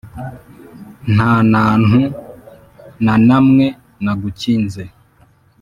Ntanantu nanamwe nagukinze